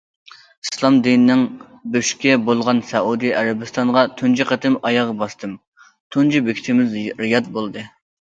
ئىسلام دىنىنىڭ بۆشۈكى بولغان سەئۇدى ئەرەبىستانغا تۇنجى قېتىم ئاياغ باستىم، تۇنجى بېكىتىمىز رىياد بولدى.